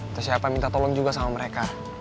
terus siapa minta tolong juga sama mereka